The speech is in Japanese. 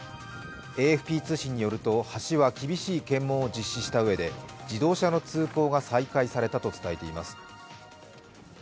ＡＦＰ通信によると橋は厳しい検問を実施したうえで自動車の通行が再開されたと伝えています。